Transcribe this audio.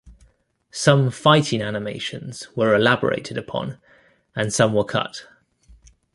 Some fighting animations were elaborated upon and some were cut.